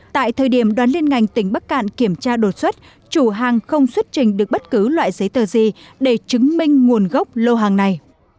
tại thời điểm đoàn liên ngành tỉnh bắc cạn kiểm tra đột xuất chủ hàng không xuất trình được bất cứ loại giấy tờ gì để chứng minh nguồn gốc lô hàng này